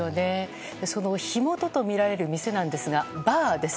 その火元とみられる店ですがバーです。